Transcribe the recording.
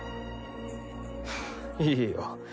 いいよ。